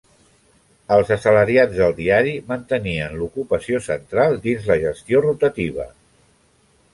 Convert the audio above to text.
Els assalariats del diari mantenien l'ocupació central dins la gestió rotativa.